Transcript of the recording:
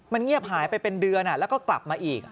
มันเงียบหายไปเป็นเดือนแล้วก็กลับมาอีก